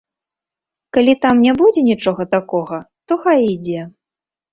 Калі там не будзе нічога такога, то хай ідзе.